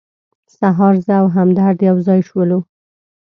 سهار زه او همدرد یو ځای شولو.